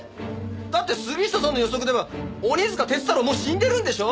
だって杉下さんの予測では鬼束鐵太郎もう死んでるんでしょ？